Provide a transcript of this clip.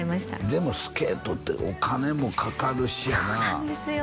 でもスケートってお金もかかるしやなそうなんですよ